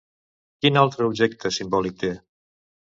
Quin altre objecte simbòlic té?